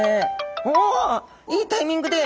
おおいいタイミングで！